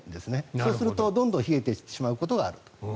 そうするとどんどん冷えてしまうことがあると。